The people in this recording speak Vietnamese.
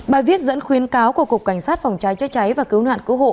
bài viết dẫn khuyến cáo của cục cảnh sát phòng cháy chữa cháy và cứu nạn cứu hộ